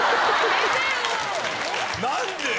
何でよ！